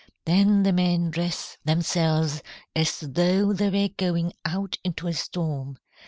"Then the men dress themselves as though they were going out into a storm.